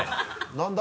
何だ？